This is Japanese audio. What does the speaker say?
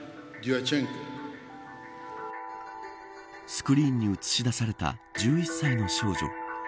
スクリーンに映し出された１１歳の少女。